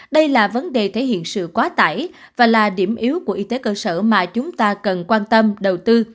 đây là vấn đề thể hiện sự quá tải và là điểm yếu của y tế cơ sở mà chúng ta cần quan tâm đầu tư